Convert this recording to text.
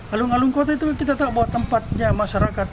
alun alun kota itu kita tak buat tempatnya masyarakat